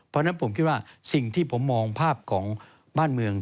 เพราะฉะนั้นผมคิดว่าสิ่งที่ผมมองภาพของบ้านเมือง